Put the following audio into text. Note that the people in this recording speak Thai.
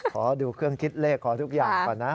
ขอดูเครื่องคิดเลขขอทุกอย่างก่อนนะ